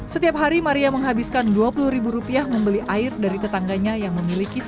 setiap hari maria menghabiskan dua puluh ribu rupiah membeli air dari tetangganya yang memiliki